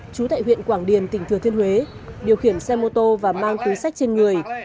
chú tại huyện quảng điền tỉnh thừa thiên huế điều khiển xe mô tô và mang túi sách trên người